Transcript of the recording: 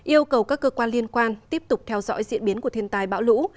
yêu cầu các cơ quan liên quan tiếp tục theo dõi diễn biến của thiên tài bão lũ